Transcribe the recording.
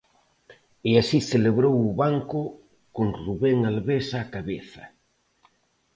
E así celebrou o banco con Rubén Albés á cabeza.